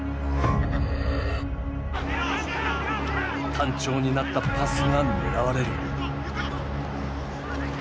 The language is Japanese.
単調になったパスが狙われる。